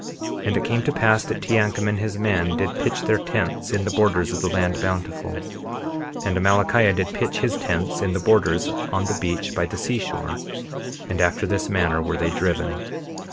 And it came to pass that Teancum and his men did pitch their tents in the borders of the land Bountiful; and Amalickiah did pitch his tents in the borders on the beach by the seashore, and after this manner were they driven.